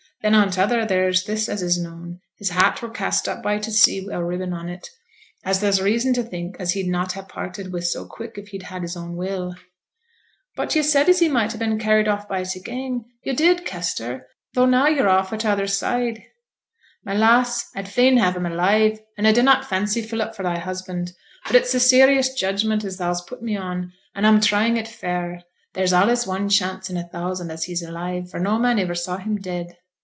Then on t' other there's this as is known. His hat were cast up by t' sea wi' a ribbon in it, as there's reason t' think as he'd not ha' parted wi' so quick if he'd had his own will.' 'But yo' said as he might ha' been carried off by t' gang yo' did, Kester, tho' now yo're a' for t' other side.' 'My lass, a'd fain have him alive, an' a dunnot fancy Philip for thy husband; but it's a serious judgment as thou's put me on, an' a'm trying it fair. There's allays one chance i' a thousand as he's alive, for no man iver saw him dead.